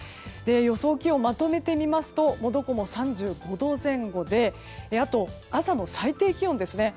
予想気温をまとめてみますとどこも３５度前後で朝の最低気温ですね。